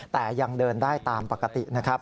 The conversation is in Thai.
แต่ยังเดินได้ตามปกตินะครับ